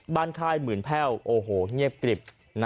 ค่ายหมื่นแพ่วโอ้โหเงียบกริบ